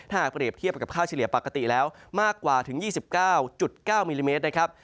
หากเปรียบเทียบกับค่าเฉลี่ยปกติแล้วมากกว่าถึง๒๙๙มิลลิเมตรนะครับ